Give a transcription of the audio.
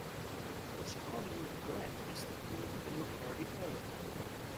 He was Hollywood blacklisted during the McCarthy era.